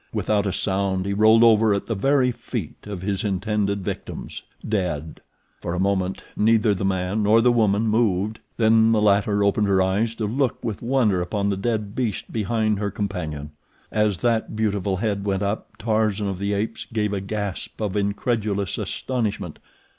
Without a sound he rolled over at the very feet of his intended victims—dead. For a moment neither the man nor the woman moved. Then the latter opened her eyes to look with wonder upon the dead beast behind her companion. As that beautiful head went up Tarzan of the Apes gave a gasp of incredulous astonishment.